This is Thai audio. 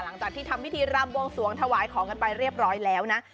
หลังจากที่ทำพิธีรำบวงสวงถวายของกันไปเรียบร้อยแล้วนะ